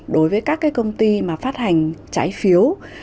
đối với các công ty phát hành trái phiếu